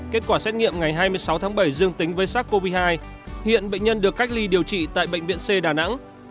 kết quả xét nghiệm ngày hai mươi sáu tháng bảy dương tính với sars cov hai hiện bệnh nhân được cách ly điều trị tại bệnh viện c đà nẵng